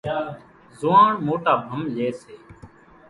زوئاڻيا موٽا ڀم لئي سي